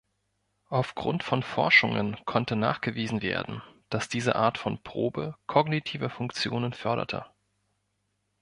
Aufgrund von Forschungen konnte nachgewiesen werden, dass diese Art von Probe kognitive Funktionen förderte.